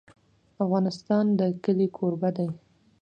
افغانستان د کلي کوربه دی.